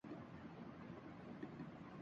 ان تمام خبروں میں ایک ربط ہے۔